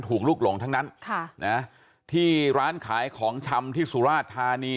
ลูกหลงทั้งนั้นค่ะนะที่ร้านขายของชำที่สุราชธานี